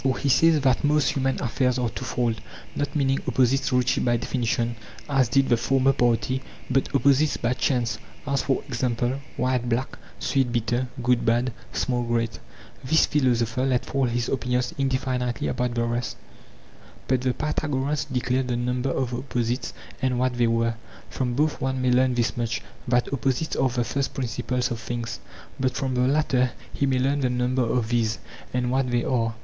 For he says that most human affairs are twofold, not meaning opposites reached by definition, as did the former party, but opposites by chance—as, for example, white black, sweet bitter, good bad, small great. This philosopher let fall his opinions indefinitely about the rest, but the Pythagoreans declared the number of the opposites and what they were. From both one may learn this much, that opposites are the first principles of things; but from the latter he may learn the number of these, and what they are.